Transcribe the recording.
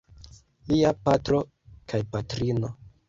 Lia patro kaj patrino.